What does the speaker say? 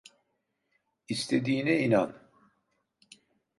İstediğine inan.